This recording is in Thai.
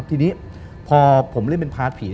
ทีนี้พอผมเล่นเป็นพาร์ทผี